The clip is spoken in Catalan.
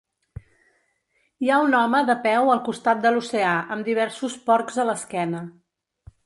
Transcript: Hi ha un home de peu al costat de l'oceà amb diversos porcs a l'esquena.